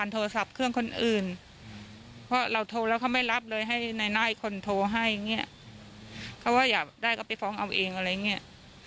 แต่ผัดมาเรื่อย